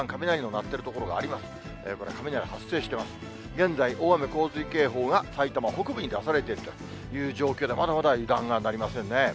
現在、大雨洪水警報が埼玉北部に出されているという状況で、まだまだ油断がなりませんね。